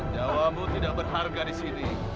jawa mu tidak berharga di sini